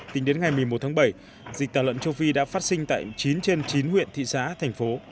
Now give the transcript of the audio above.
tính đến ngày một mươi một tháng bảy dịch tà lợn châu phi đã phát sinh tại chín trên chín huyện thị xã thành phố